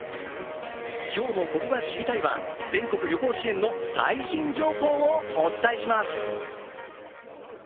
今日の「ここが知りたい！」は全国旅行支援の最新情報をお伝えします。